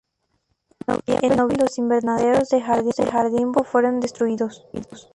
En noviembre, los invernaderos de jardín botánico fueron destruidos.